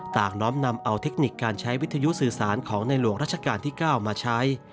น้อมนำเอาเทคนิคการใช้วิทยุสื่อสารของในหลวงราชการที่๙มาใช้